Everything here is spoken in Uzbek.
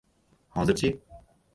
Hozir-chi?